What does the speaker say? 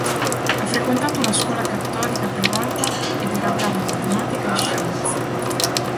Ha frequentato una scuola cattolica privata ed era bravo in matematica e scienze.